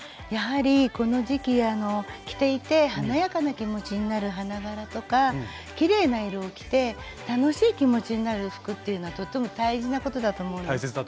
やはりこの時期着ていて華やかな気持ちになる花柄とかきれいな色を着て楽しい気持ちになる服っていうのはとっても大事なことだと思うんです。